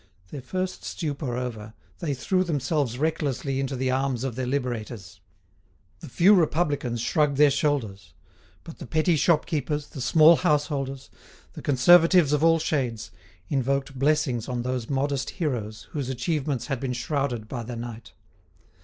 Their first stupor over, they threw themselves recklessly into the arms of their liberators. The few Republicans shrugged their shoulders, but the petty shopkeepers, the small householders, the Conservatives of all shades, invoked blessings on those modest heroes whose achievements had been shrouded by the night.